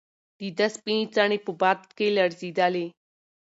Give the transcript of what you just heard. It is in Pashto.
د ده سپینې څڼې په باد کې لړزېدې.